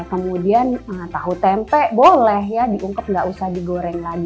kemudian tahu tempe boleh ya diungkep nggak usah digoreng lagi